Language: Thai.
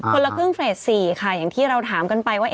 คนละครึ่งเฟส๔ค่ะอย่างที่เราถามกันไปว่า